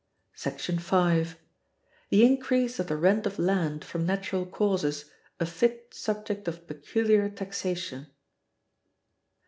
§ 5. The increase of the rent of land from natural causes a fit subject of peculiar Taxation.